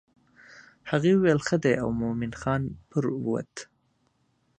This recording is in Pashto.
هغې وویل ښه دی او مومن خان پر ووت.